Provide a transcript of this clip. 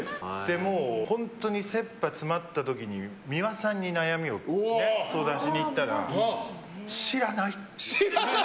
本当に切羽詰まった時に美輪さんに悩みを相談しに行ったら知らない！って。